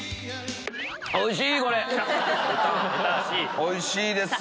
おいしいです！